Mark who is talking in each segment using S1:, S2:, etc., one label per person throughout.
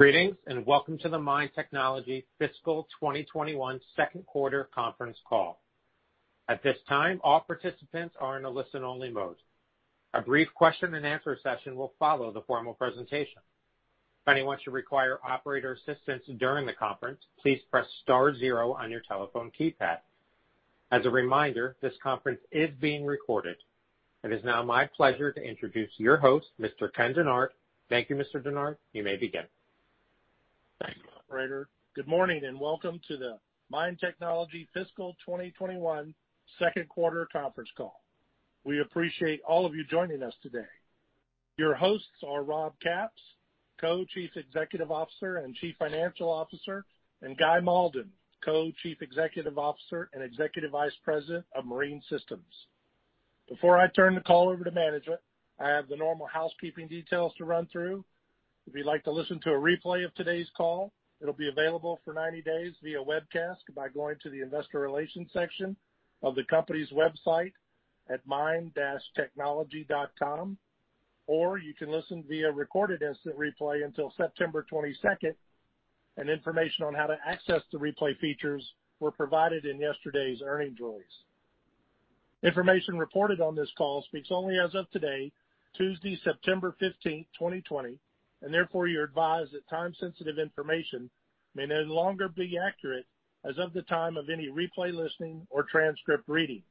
S1: Greetings, and welcome to the MIND Technology Fiscal 2021 Q2 Conference Call. At this time, all participants are in a listen-only mode. A brief question and answer session will follow the formal presentation. If anyone should require operator assistance during the conference, please press star zero on your telephone keypad. As a reminder, this conference is being recorded. It is now my pleasure to introduce your host, Mr. Ken Dennard. Thank you, Mr. Dennard. You may begin.
S2: Thanks, operator. Good morning, welcome to the MIND Technology Fiscal 2021 Q2 Conference Call. We appreciate all of you joining us today. Your hosts are Robert Capps, Co-Chief Executive Officer and Chief Financial Officer, and Guy Malden, Co-Chief Executive Officer and Executive Vice President of Marine Systems. Before I turn the call over to management, I have the normal housekeeping details to run through. If you'd like to listen to a replay of today's call, it'll be available for 90 days via webcast by going to the investor relations section of the company's website at mind-technology.com, or you can listen via recorded instant replay until September 22nd, and information on how to access the replay features were provided in yesterday's earnings release. Information reported on this call speaks only as of today, Tuesday, September 15th, 2020, and therefore, you're advised that time-sensitive information may no longer be accurate as of the time of any replay listening or transcript reading.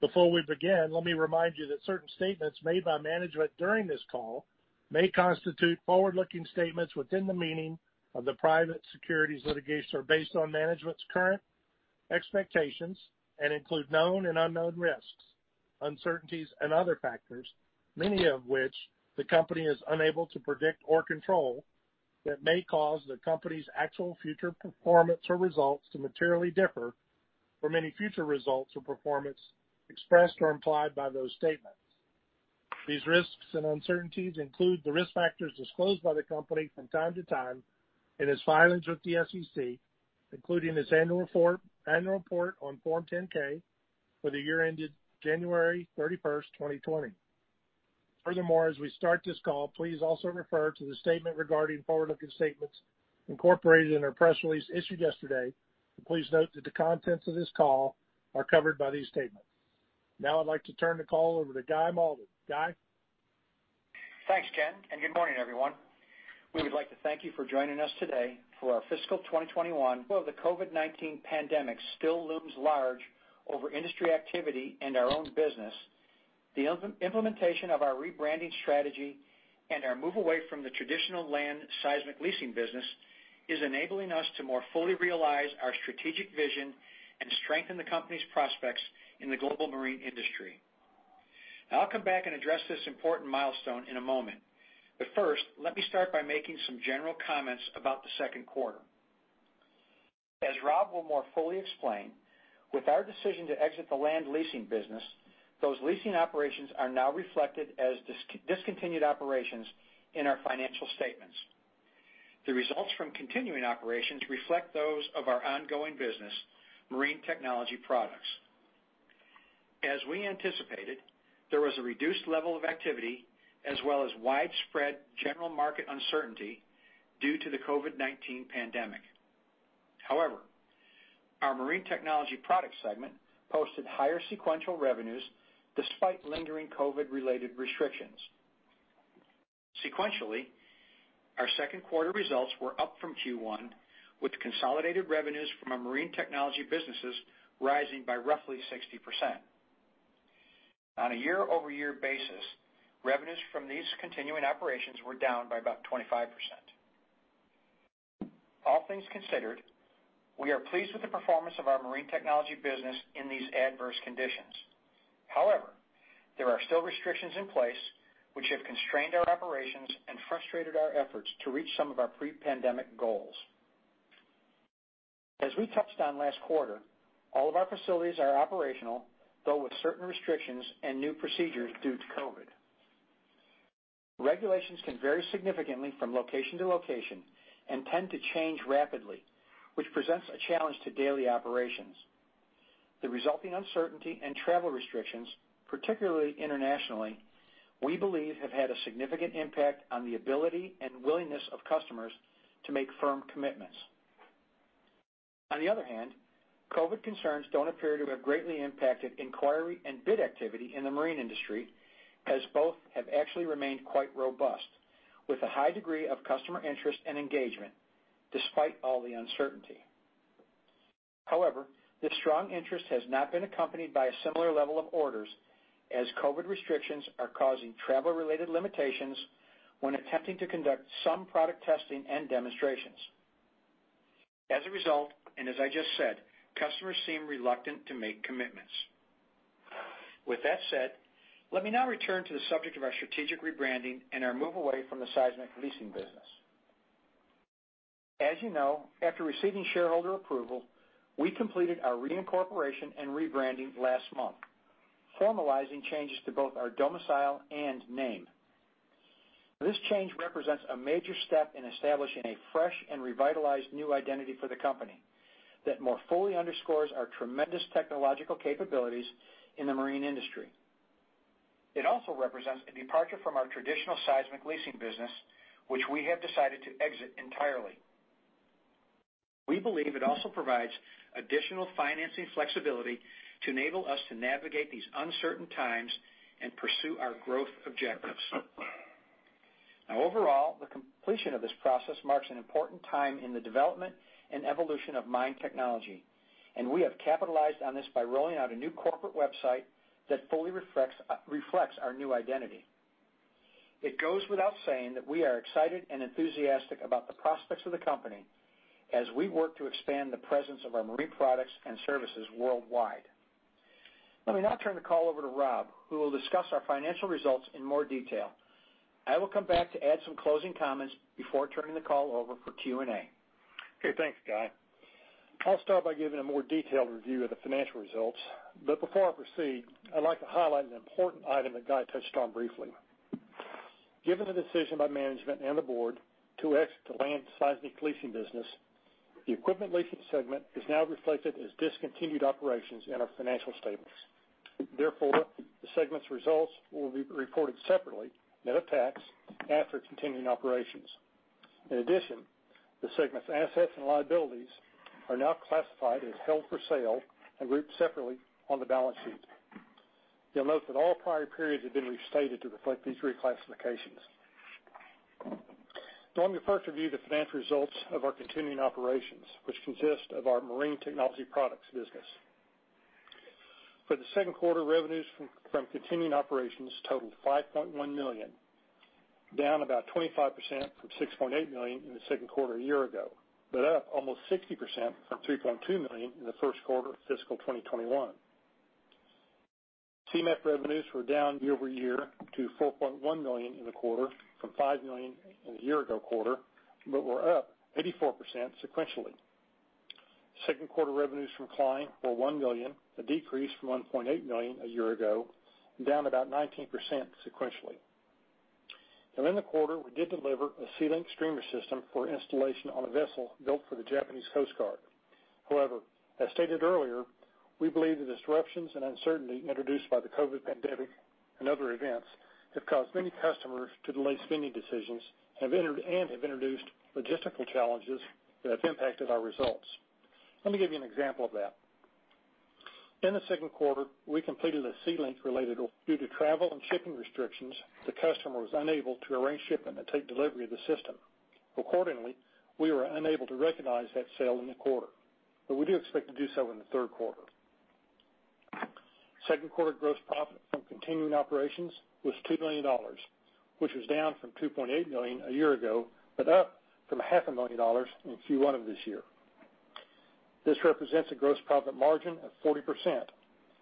S2: Before we begin, let me remind you that certain statements made by management during this call may constitute forward-looking statements within the meaning of the private securities litigation, or based on management's current expectations, and include known and unknown risks, uncertainties, and other factors, Many of which the company is unable to predict or control, that may cause the company's actual future performance or results to materially differ, or many future results or performance expressed or implied by those statements. These risks and uncertainties include the risk factors disclosed by the company from time to time in its filings with the SEC, including its annual report on Form 10-K for the year-ended January 31st, 2020. Furthermore, as we start this call, please also refer to the statement regarding forward-looking statements incorporated in our press release issued yesterday. Please note that the contents of this call are covered by these statements. Now I'd like to turn the call over to Guy Malden. Guy?
S3: Thanks, Ken. Good morning, everyone. We would like to thank you for joining us today for our fiscal 2021. The COVID-19 pandemic still looms large over industry activity and our own business. The implementation of our rebranding strategy and our move away from the traditional land seismic leasing business is enabling us to more fully realize our strategic vision and strengthen the company's prospects in the global marine industry. I'll come back and address this important milestone in a moment. First, let me start by making some general comments about the Q2. As Robert will more fully explain, with our decision to exit the land leasing business, those leasing operations are now reflected as discontinued operations in our financial statements. The results from continuing operations reflect those of our ongoing business, Marine Technology products. As we anticipated, there was a reduced level of activity as well as widespread general market uncertainty due to the COVID-19 pandemic. Our Marine Technology product segment posted higher sequential revenues despite lingering COVID-related restrictions. Sequentially, our Q2 results were up from Q1, with consolidated revenues from our Marine Technology businesses rising by roughly 60%. On a year-over-year basis, revenues from these continuing operations were down by about 25%. All things considered, we are pleased with the performance of our Marine Technology business in these adverse conditions. There are still restrictions in place which have constrained our operations and frustrated our efforts to reach some of our pre-pandemic goals. As we touched on last quarter, all of our facilities are operational, though with certain restrictions and new procedures due to COVID. Regulations can vary significantly from location to location and tend to change rapidly, which presents a challenge to daily operations. The resulting uncertainty and travel restrictions, particularly internationally, we believe have had a significant impact on the ability and willingness of customers to make firm commitments. On the other hand, COVID concerns don't appear to have greatly impacted inquiry and bid activity in the marine industry, as both have actually remained quite robust, with a high degree of customer interest and engagement despite all the uncertainty. However, this strong interest has not been accompanied by a similar level of orders, as COVID restrictions are causing travel-related limitations when attempting to conduct some product testing and demonstrations. As a result, and as I just said, customers seem reluctant to make commitments. With that said, let me now return to the subject of our strategic rebranding and our move away from the seismic leasing business. As you know, after receiving shareholder approval, we completed our reincorporation and rebranding last month, formalizing changes to both our domicile and name. This change represents a major step in establishing a fresh and revitalized new identity for the company that more fully underscores our tremendous technological capabilities in the marine industry. It also represents a departure from our traditional seismic leasing business, which we have decided to exit entirely. We believe it also provides additional financing flexibility to enable us to navigate these uncertain times and pursue our growth objectives. Now overall, the completion of this process marks an important time in the development and evolution of MIND Technology, and we have capitalized on this by rolling out a new corporate website that fully reflects our new identity. It goes without saying that we are excited and enthusiastic about the prospects of the company as we work to expand the presence of our marine products and services worldwide. Let me now turn the call over to Robert, who will discuss our financial results in more detail. I will come back to add some closing comments before turning the call over for Q&A.
S4: Okay. Thanks, Guy. I'll start by giving a more detailed review of the financial results. Before I proceed, I'd like to highlight an important item that Guy touched on briefly. Given the decision by management and the board to exit the land seismic leasing business, the equipment leasing segment is now reflected as discontinued operations in our financial statements. Therefore, the segment's results will be reported separately net of tax after continuing operations. In addition, the segment's assets and liabilities are now classified as held for sale and grouped separately on the balance sheet. You'll note that all prior periods have been restated to reflect these reclassifications. Let me first review the financial results of our continuing operations, which consist of our marine technology products business. For the Q2, revenues from continuing operations totaled $5.1 million, down about 25% from $6.8 million in the Q2 a year ago, up almost 60% from $3.2 million in the Q1 of fiscal 2021. Seamap revenues were down year-over-year to $4.1 million in the quarter from $5 million in the year ago quarter, were up 84% sequentially. Q2 revenues from Klein were $1 million, a decrease from $1.8 million a year ago, down about 19% sequentially. In the quarter, we did deliver a SeaLink streamer system for installation on a vessel built for the Japan Coast Guard. As stated earlier, we believe the disruptions and uncertainty introduced by the COVID-19 pandemic and other events have caused many customers to delay spending decisions and have introduced logistical challenges that have impacted our results. Let me give you an example of that. In the Q2, we completed a SeaLink related. Due to travel and shipping restrictions, the customer was unable to arrange shipping to take delivery of the system. Accordingly, we were unable to recognize that sale in the quarter, but we do expect to do so in the Q3. Q2 gross profit from continuing operations was $2 million, which was down from $2.8 million a year ago, but up from $500,000 in Q1 of this year. This represents a gross profit margin of 40%,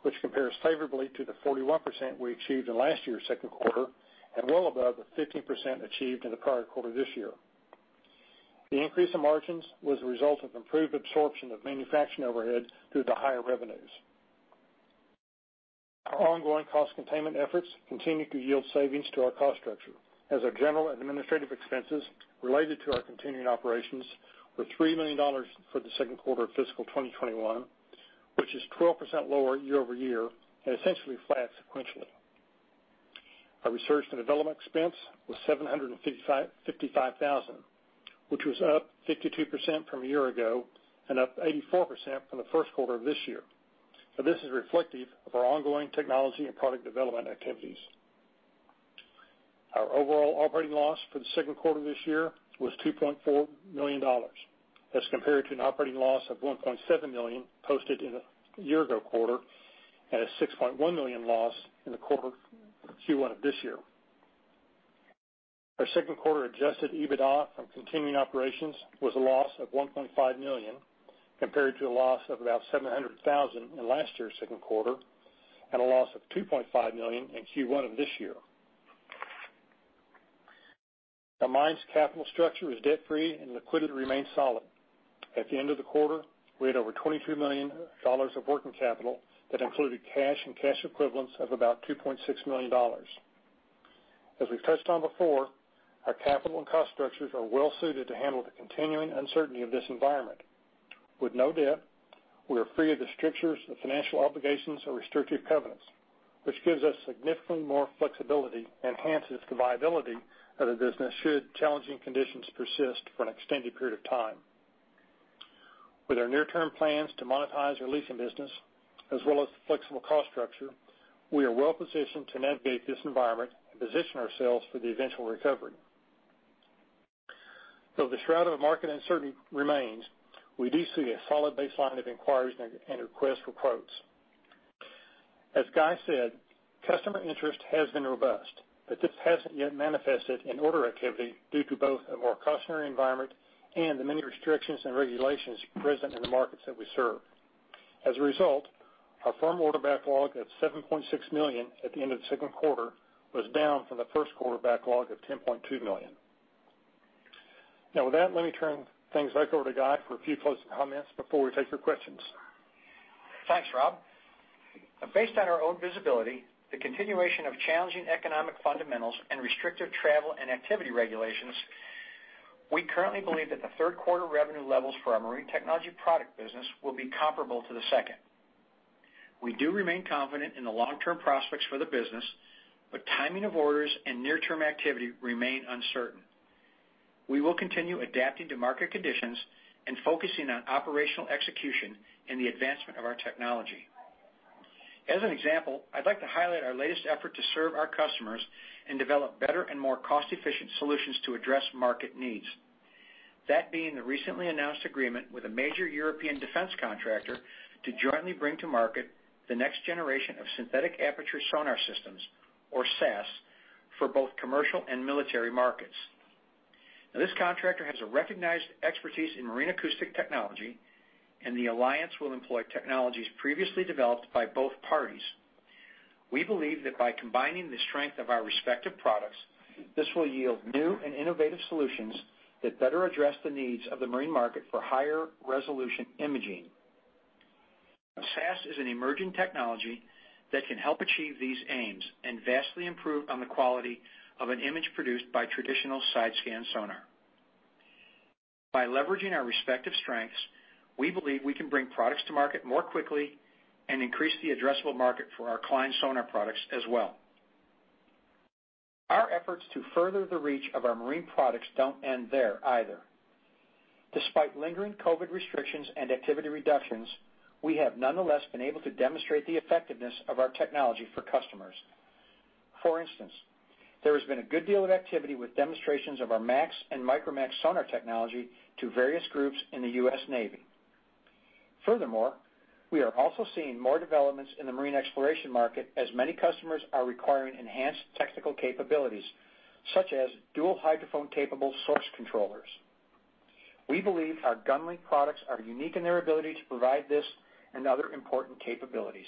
S4: which compares favorably to the 41% we achieved in last year's Q2 and well above the 15% achieved in the prior quarter this year. The increase in margins was the result of improved absorption of manufacturing overhead due to higher revenues. Our ongoing cost containment efforts continue to yield savings to our cost structure as our general and administrative expenses related to our continuing operations were $3 million for the Q2 of fiscal 2021, which is 12% lower year-over-year and essentially flat sequentially. Our research and development expense was $755,000, which was up 52% from a year ago and up 84% from the Q1 of this year. This is reflective of our ongoing technology and product development activities. Our overall operating loss for the Q2 this year was $2.4 million as compared to an operating loss of $1.7 million posted in the year-ago quarter and a $6.1 million loss in the quarter Q1 of this year. Our Q2 adjusted EBITDA from continuing operations was a loss of $1.5 million compared to a loss of about $700,000 in last year's Q2 and a loss of $2.5 million in Q1 of this year. MIND's capital structure is debt-free and liquidity remains solid. At the end of the quarter, we had over $22 million of working capital that included cash and cash equivalents of about $2.6 million. As we've touched on before, our capital and cost structures are well suited to handle the continuing uncertainty of this environment. With no debt, we are free of the strictures of financial obligations or restrictive covenants, which gives us significantly more flexibility and enhances the viability of the business should challenging conditions persist for an extended period of time. With our near-term plans to monetize our leasing business, as well as the flexible cost structure, we are well positioned to navigate this environment and position ourselves for the eventual recovery. Though the shroud of market uncertainty remains, we do see a solid baseline of inquiries and requests for quotes. As Guy said, customer interest has been robust, but this hasn't yet manifested in order activity due to both a more cautionary environment and the many restrictions and regulations present in the markets that we serve. As a result, our firm order backlog of $7.6 million at the end of the Q2 was down from the Q1 backlog of $10.2 million. With that, let me turn things back over to Guy for a few closing comments before we take your questions.
S3: Thanks, Robert. Based on our own visibility, the continuation of challenging economic fundamentals and restrictive travel and activity regulations. We currently believe that the Q3 revenue levels for our Marine Technology product business will be comparable to the second. We do remain confident in the long-term prospects for the business, timing of orders and near-term activity remain uncertain. We will continue adapting to market conditions and focusing on operational execution and the advancement of our technology. As an example, I'd like to highlight our latest effort to serve our customers and develop better and more cost-efficient solutions to address market needs. That being the recently announced agreement with a major European defense contractor to jointly bring to market the next generation of synthetic aperture sonar systems, or SAS, for both commercial and military markets. This contractor has a recognized expertise in marine acoustic technology, and the alliance will employ technologies previously developed by both parties. We believe that by combining the strength of our respective products, this will yield new and innovative solutions that better address the needs of the marine market for higher resolution imaging. SAS is an emerging technology that can help achieve these aims and vastly improve on the quality of an image produced by traditional side-scan sonar. By leveraging our respective strengths, we believe we can bring products to market more quickly and increase the addressable market for our Klein sonar products as well. Our efforts to further the reach of our marine products don't end there either. Despite lingering COVID restrictions and activity reductions, we have nonetheless been able to demonstrate the effectiveness of our technology for customers. For instance, there has been a good deal of activity with demonstrations of our MA-X and MicroMA-X sonar technology to various groups in the U.S. Navy. Furthermore, we are also seeing more developments in the marine exploration market as many customers are requiring enhanced technical capabilities, such as dual hydrophone capable source controllers. We believe our GunLink products are unique in their ability to provide this and other important capabilities.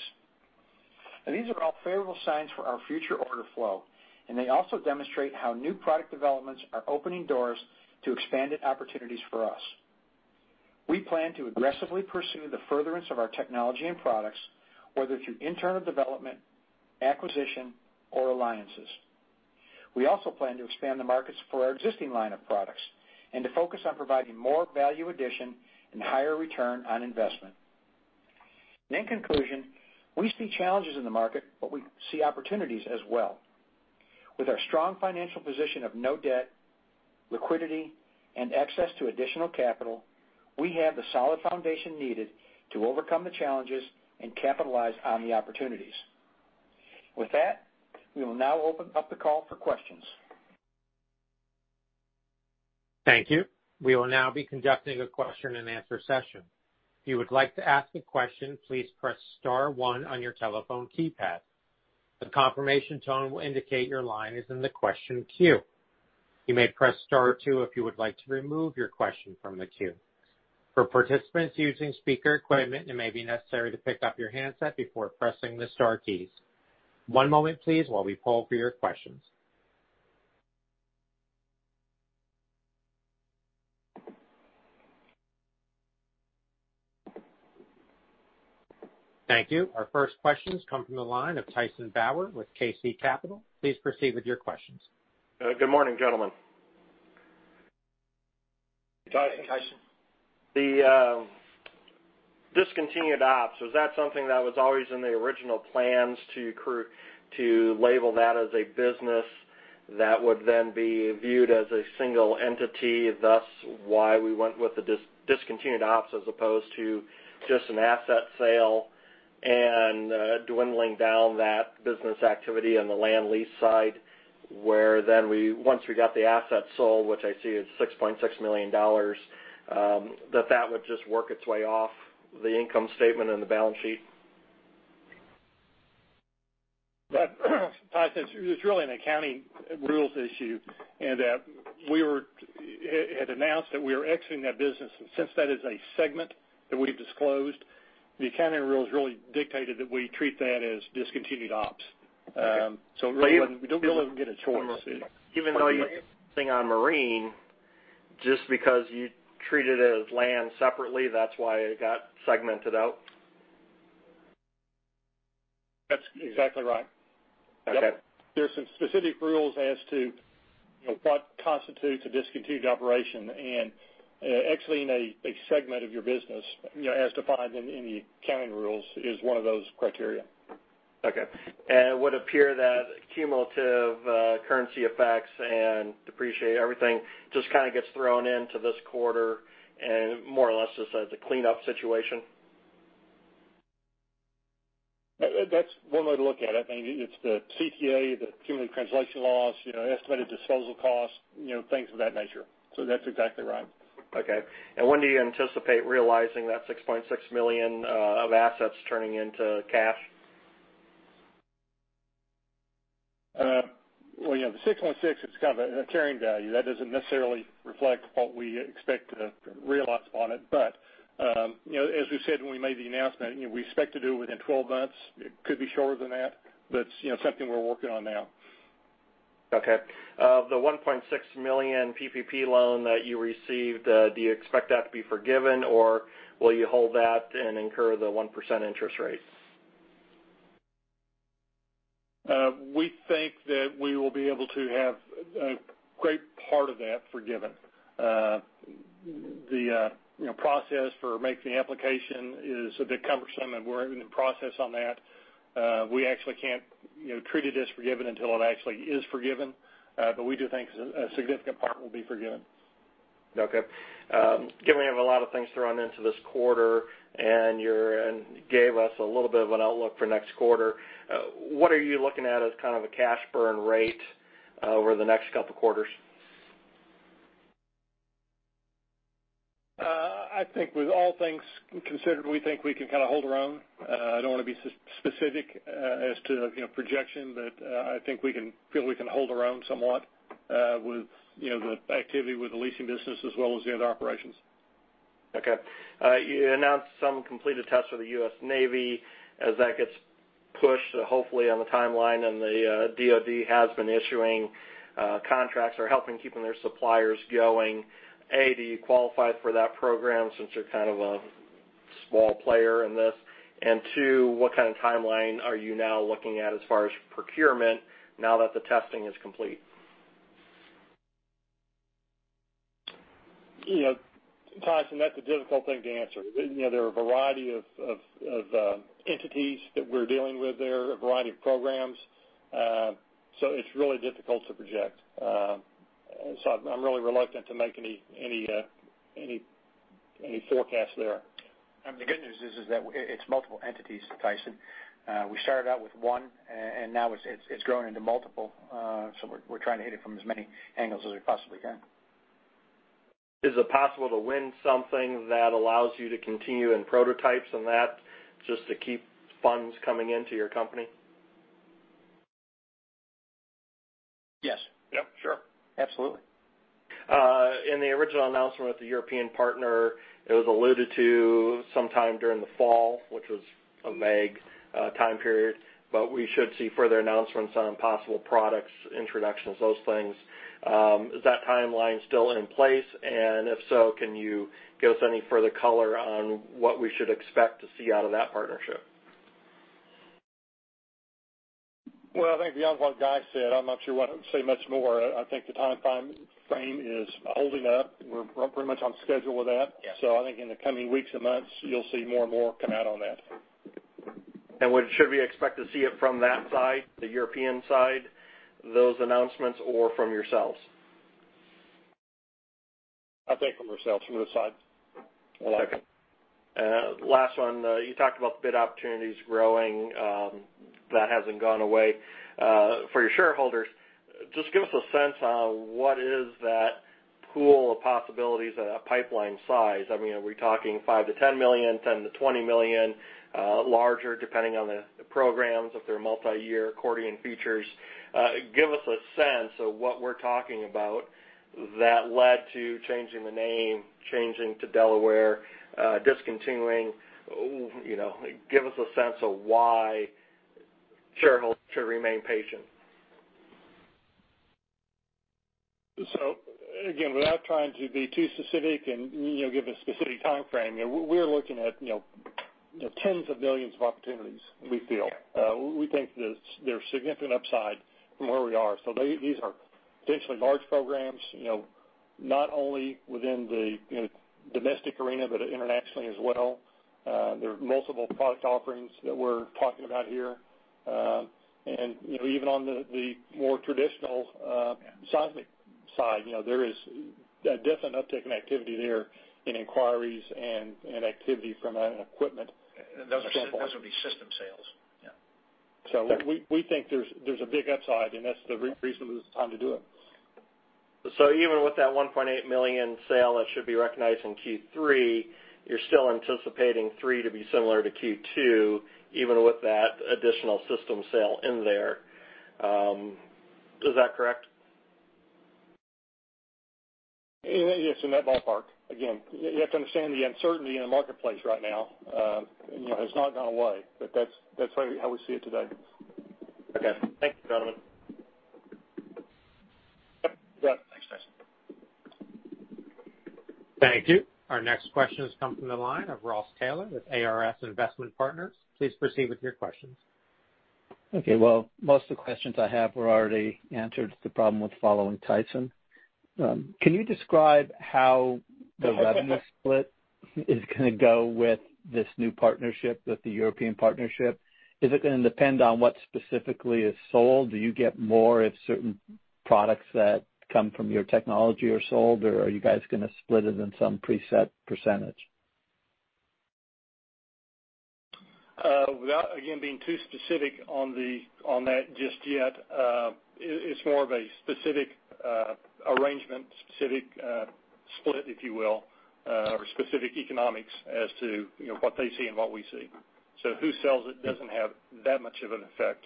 S3: Now these are all favorable signs for our future order flow, and they also demonstrate how new product developments are opening doors to expanded opportunities for us. We plan to aggressively pursue the furtherance of our technology and products, whether through internal development, acquisition, or alliances. We also plan to expand the markets for our existing line of products and to focus on providing more value addition and higher return on investment. In conclusion, we see challenges in the market, but we see opportunities as well. With our strong financial position of no debt, liquidity, and access to additional capital, we have the solid foundation needed to overcome the challenges and capitalize on the opportunities. With that, we will now open up the call for questions.
S1: Thank you. We will now be conducting a question and answer session. Thank you. Our first questions come from the line of Tyson Bauer with KC Capital. Please proceed with your questions.
S5: Good morning, gentlemen.
S3: Tyson.
S5: The discontinued ops, was that something that was always in the original plans to label that as a business that would then be viewed as a single entity, thus why we went with the discontinued ops as opposed to just an asset sale and dwindling down that business activity on the land lease side, where then once we got the asset sold, which I see is $6.6 million, that that would just work its way off the income statement and the balance sheet?
S4: Tyson, it's really an accounting rules issue in that we had announced that we were exiting that business since that is a segment that we disclosed. The accounting rules really dictated that we treat that as discontinued ops. We really didn't get a choice.
S5: Even though you're focusing on marine, just because you treat it as land separately, that's why it got segmented out?
S4: That's exactly right.
S5: Okay.
S4: There's some specific rules as to what constitutes a discontinued operation. Exiting a segment of your business as defined in the accounting rules is one of those criteria.
S5: Okay. It would appear that cumulative currency effects and depreciate everything just kind of gets thrown into this quarter and more or less just as a cleanup situation?
S4: That's one way to look at it. I mean, it's the CTA, the cumulative translation loss, estimated disposal costs, things of that nature. That's exactly right.
S5: Okay. When do you anticipate realizing that $6.6 million of assets turning into cash?
S4: Well, the $6.6 is kind of a carrying value. That doesn't necessarily reflect what we expect to realize on it. As we said when we made the announcement, we expect to do it within 12 months. It could be shorter than that, but it's something we're working on now.
S5: Okay. The $1.6 million PPP loan that you received, do you expect that to be forgiven, or will you hold that and incur the 1% interest rate?
S4: We think that we will be able to have a great part of that forgiven. The process for making the application is a bit cumbersome, and we're in the process on that. We actually can't treat it as forgiven until it actually is forgiven. We do think a significant part will be forgiven.
S5: Given we have a lot of things to run into this quarter, and you gave us a little bit of an outlook for next quarter, what are you looking at as a cash burn rate over the next couple quarters?
S4: I think with all things considered, we think we can kind of hold our own. I don't want to be specific as to projection, but I think we can feel we can hold our own somewhat with the activity with the leasing business as well as the other operations.
S5: Okay. You announced some completed tests for the U.S. Navy as that gets pushed, hopefully, on the timeline, and the DoD has been issuing contracts or helping keeping their suppliers going. Do you qualify for that program since you're kind of a small player in this? Two, what kind of timeline are you now looking at as far as procurement now that the testing is complete?
S4: Tyson, that's a difficult thing to answer. There are a variety of entities that we're dealing with there, a variety of programs. It's really difficult to project. I'm really reluctant to make any forecasts there.
S3: The good news is that it's multiple entities, Tyson. We started out with one and now it's grown into multiple. We're trying to hit it from as many angles as we possibly can.
S5: Is it possible to win something that allows you to continue in prototypes and that just to keep funds coming into your company?
S3: Yes.
S5: Yep, sure.
S3: Absolutely.
S5: In the original announcement with the European partner, it was alluded to sometime during the fall, which was a vague time period. We should see further announcements on possible products, introductions, those things. Is that timeline still in place? If so, can you give us any further color on what we should expect to see out of that partnership?
S4: Well, I think beyond what Guy said, I'm not sure what I can say much more. I think the timeframe is holding up. We're pretty much on schedule with that.
S3: Yeah. I think in the coming weeks and months, you'll see more and more come out on that.
S5: Should we expect to see it from that side, the European side, those announcements, or from yourselves?
S4: I think from ourselves, from this side.
S5: Okay. Last one. You talked about bid opportunities growing. That hasn't gone away. For your shareholders, just give us a sense on what is that pool of possibilities, a pipeline size. Are we talking $5 million-$10 million, $10 million-$20 million, larger depending on the programs, If they're multi-year accordion features? Give us a sense of what we're talking about that led to changing the name, changing to Delaware, discontinuing. Give us a sense of why shareholders should remain patient.
S4: Again, without trying to be too specific and give a specific timeframe, we're looking at tens of billions of opportunities, we feel. We think there's significant upside from where we are. These are potentially large programs not only within the domestic arena, but internationally as well. There are multiple product offerings that we're talking about here. Even on the more traditional seismic side, there is a definite uptick in activity there in inquiries and activity from an equipment standpoint.
S3: Those would be system sales. Yeah.
S4: We think there's a big upside, and that's the reason it was the time to do it.
S5: Even with that $1.8 million sale that should be recognized in Q3, you're still anticipating three to be similar to Q2, even with that additional system sale in there. Is that correct?
S4: It's in that ballpark. You have to understand the uncertainty in the marketplace right now has not gone away, but that's how we see it today.
S5: Okay. Thank you, gentlemen.
S3: Yep.
S4: You bet.
S3: Thanks, Tyson.
S1: Thank you. Our next question has come from the line of Ross Taylor with ARS Investment Partners. Please proceed with your questions.
S6: Okay. Well, most of the questions I have were already answered. The problem with following Tyson. Can you describe how the revenue split is going to go with this new partnership with the European partnership? Is it going to depend on what specifically is sold? Do you get more if certain products that come from your technology are sold, or are you guys going to split it in some preset percentage?
S4: Without, again, being too specific on that just yet, it's more of a specific arrangement, specific split, if you will, or specific economics as to what they see and what we see. Who sells it doesn't have that much of an effect.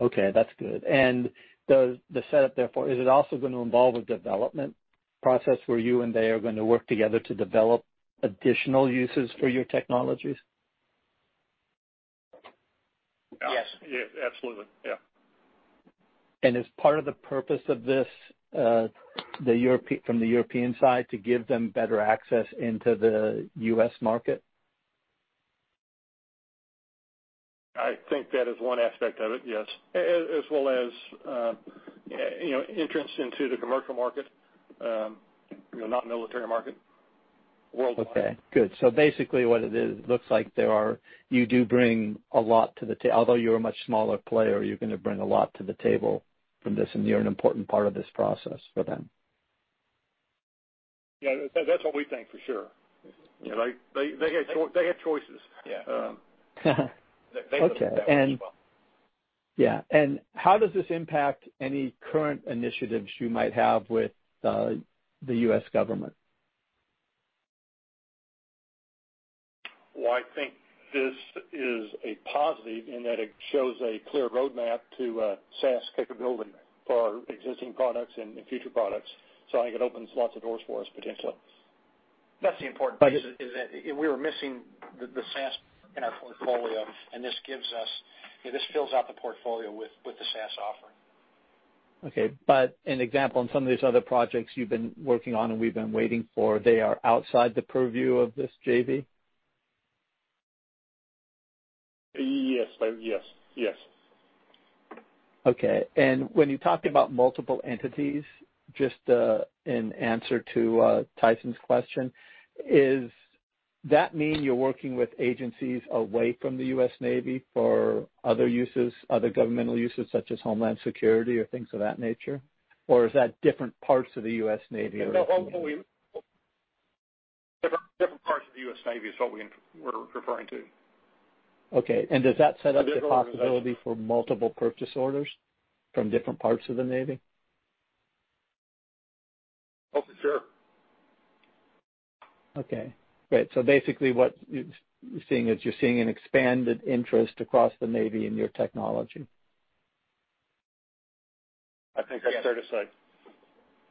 S6: Okay, that's good. The setup, therefore, is it also going to involve a development process where you and they are going to work together to develop additional uses for your technologies?
S3: Yes.
S4: Yeah, absolutely. Yeah.
S6: Is part of the purpose of this from the European side to give them better access into the U.S. market?
S4: I think that is one aspect of it, yes. As well as entrance into the commercial market, not military market, worldwide.
S6: Okay, good. Basically what it is, looks like you do bring a lot to the table. Although you are a much smaller player, you are going to bring a lot to the table from this, and you are an important part of this process for them.
S4: Yeah. That's what we think for sure. They had choices.
S3: Yeah.
S6: Okay. Yeah. How does this impact any current initiatives you might have with the U.S. government?
S4: Well, I think this is a positive in that it shows a clear roadmap to SAS capability for our existing products and future products. I think it opens lots of doors for us potentially.
S3: That's the important piece, is that we were missing the SAS in our portfolio, and this fills out the portfolio with the SAS offering.
S6: Okay. An example on some of these other projects you've been working on and we've been waiting for, they are outside the purview of this JV?
S4: Yes.
S6: Okay. When you talk about multiple entities, just in answer to Tyson's question, is that mean you're working with agencies away from the U.S. Navy for other governmental uses such as Homeland Security or things of that nature? Or is that different parts of the U.S. Navy?
S4: Different parts of the U.S. Navy is what we're referring to.
S6: Okay. Does that set up the possibility for multiple purchase orders from different parts of the Navy?
S4: Oh, for sure.
S6: Okay, great. Basically what you're seeing is you're seeing an expanded interest across the Navy in your technology.
S4: I think that's fair to say.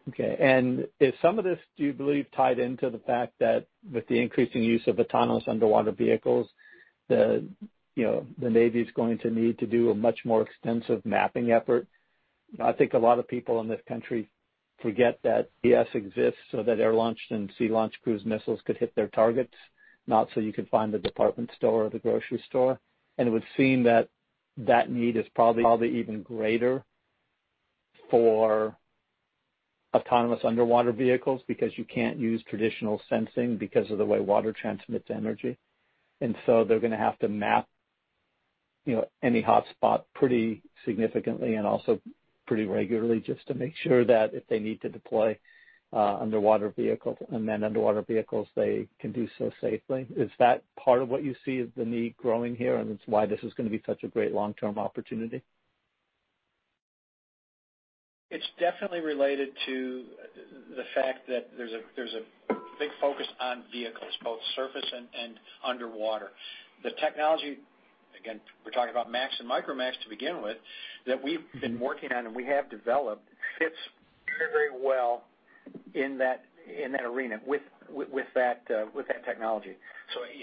S6: Okay. Is some of this, do you believe, tied into the fact that with the increasing use of autonomous underwater vehicles, the Navy's going to need to do a much more extensive mapping effort? I think a lot of people in this country forget that GPS exists so that air-launched and sea-launched cruise missiles could hit their targets, not so you could find the department store or the grocery store. It would seem that that need is probably even greater for autonomous underwater vehicles because you can't use traditional sensing because of the way water transmits energy. They're going to have to map any hotspot pretty significantly and also pretty regularly just to make sure that if they need to deploy underwater vehicles, unmanned underwater vehicles, they can do so safely. Is that part of what you see is the need growing here, and it's why this is going to be such a great long-term opportunity?
S3: It's definitely related to the fact that there's a big focus on vehicles, both surface and underwater. The technology, again, we're talking about MA-X and MicroMAX to begin with, that we've been working on and we have developed fits very well in that arena with that technology.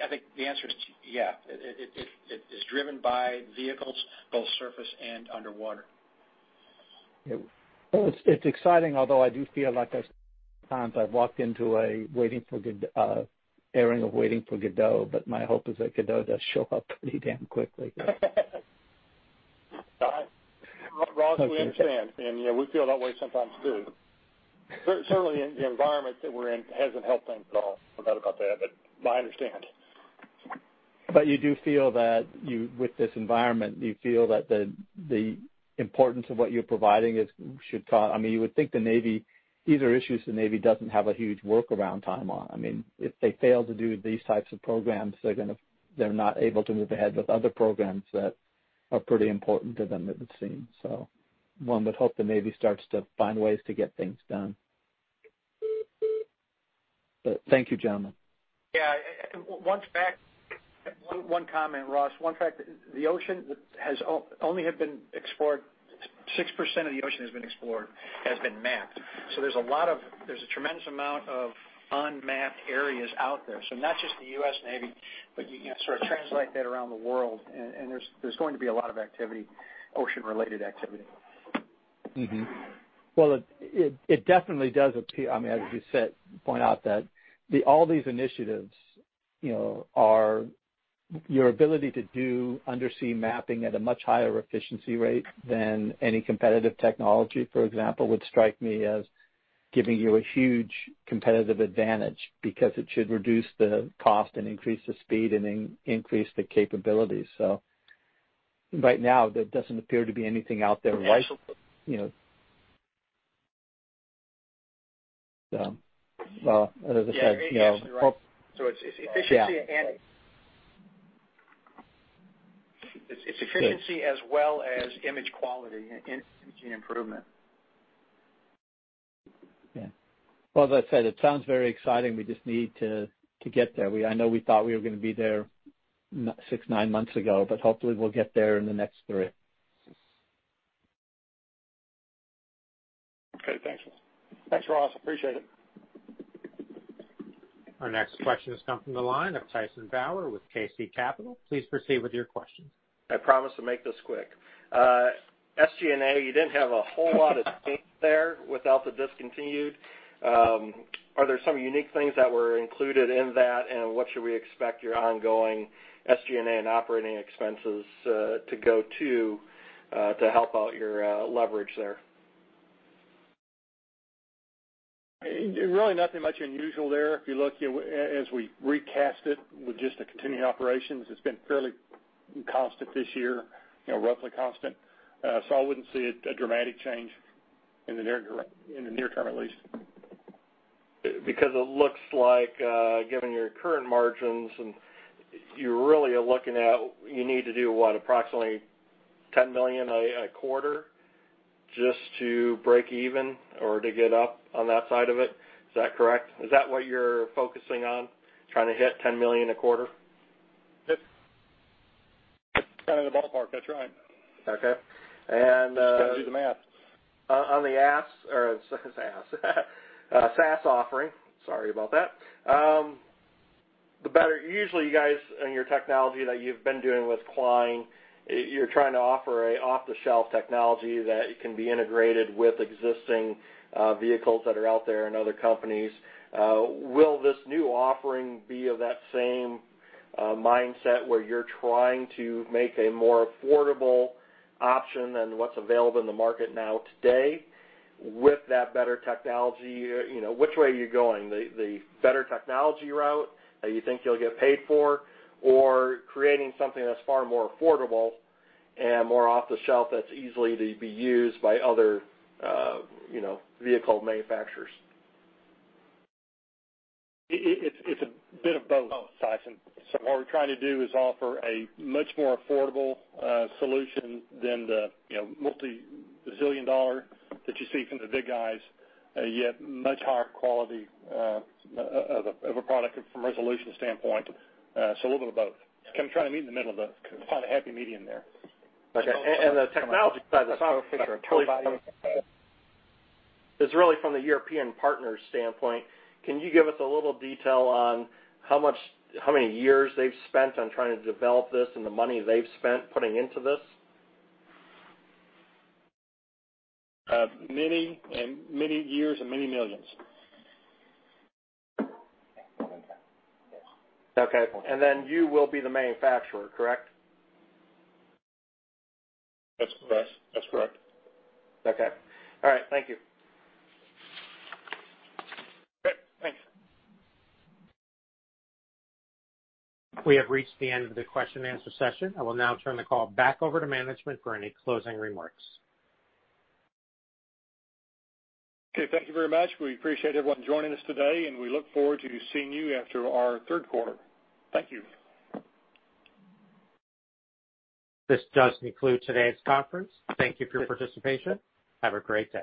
S3: I think the answer is yeah. It is driven by vehicles, both surface and underwater.
S6: Yeah. Well, it's exciting although I do feel like at times I've walked into an airing of "Waiting for Godot," but my hope is that Godot does show up pretty damn quickly.
S4: Ross, we understand, and we feel that way sometimes too. Certainly, the environment that we're in hasn't helped things at all. No doubt about that, but I understand.
S6: You do feel that with this environment, you feel that the importance of what you're providing. You would think these are issues the Navy doesn't have a huge workaround time on. If they fail to do these types of programs, they're not able to move ahead with other programs that are pretty important to them, it would seem. One would hope the Navy starts to find ways to get things done. Thank you, gentlemen.
S3: Yeah. One comment, Ross. 6% of the ocean has been explored, has been mapped. There's a tremendous amount of unmapped areas out there. Not just the U.S. Navy, but you sort of translate that around the world, and there's going to be a lot of ocean-related activity.
S6: It definitely does appear, as you point out, that all these initiatives are your ability to do undersea mapping at a much higher efficiency rate than any competitive technology, for example, would strike me as giving you a huge competitive advantage because it should reduce the cost and increase the speed and increase the capability. Right now, there doesn't appear to be anything out there.
S3: Actually.
S6: As I said,
S3: Yeah, actually, Ross. It's efficiency as well as image quality and improvement.
S6: Yeah. Well, as I said, it sounds very exciting. We just need to get there. I know we thought we were going to be there six, nine months ago, but hopefully we'll get there in the next three.
S4: Okay. Thanks.
S3: Thanks, Ross. Appreciate it.
S1: Our next question has come from the line of Tyson Bauer with KC Capital. Please proceed with your questions.
S5: I promise to make this quick. SG&A, you didn't have a whole lot of change there without the discontinued. Are there some unique things that were included in that? What should we expect your ongoing SG&A and operating expenses to go to help out your leverage there?
S4: Really nothing much unusual there. If you look, as we recast it with just the continuing operations, it's been fairly constant this year, roughly constant. I wouldn't see a dramatic change in the near term at least.
S5: Because it looks like, given your current margins, you need to do what? Approximately $10 million a quarter just to break even or to get up on that side of it? Is that correct? Is that what you're focusing on, trying to hit $10 million a quarter?
S4: Yep. Kind of the ballpark. That's right.
S5: Okay.
S4: Just got to do the math.
S5: On the SaS offering, sorry about that. Usually, you guys and your technology that you've been doing with Klein, you're trying to offer a off-the-shelf technology that can be integrated with existing vehicles that are out there and other companies. Will this new offering be of that same mindset, where you're trying to make a more affordable option than what's available in the market now today with that better technology? Which way are you going? The better technology route that you think you'll get paid for, or creating something that's far more affordable and more off-the-shelf that's easily to be used by other vehicle manufacturers?
S4: It's a bit of both, Tyson. What we're trying to do is offer a much more affordable solution than the multi-zillion dollar that you see from the big guys, yet much higher quality of a product from a resolution standpoint. A little of both. Kind of trying to meet in the middle of both. Find a happy medium there.
S5: Okay. The technology side is really from the European partner standpoint. Can you give us a little detail on how many years they've spent on trying to develop this, and the money they've spent putting into this?
S4: Many years and many millions.
S5: Okay. Then you will be the manufacturer, correct?
S4: Yes, that's correct.
S5: Okay. All right. Thank you.
S4: Great. Thanks.
S1: We have reached the end of the question and answer session. I will now turn the call back over to management for any closing remarks.
S4: Okay. Thank you very much. We appreciate everyone joining us today, and we look forward to seeing you after our Q3. Thank you.
S1: This does conclude today's conference. Thank you for your participation. Have a great day.